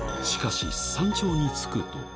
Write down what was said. しかし、山頂に着くと。